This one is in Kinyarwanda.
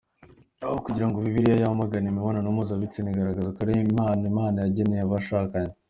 Aho kugira ngo Bibiliya yamagane imibonano mpuzabitsina, igaragaza ko ari impano Imana yageneye abashakanye.